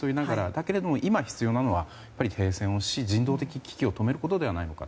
だけれども、今、必要なのは停戦をして、人道的危機を止めることではないのか。